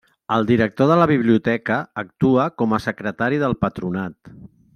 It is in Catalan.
El director de la Biblioteca actua com a secretari del patronat.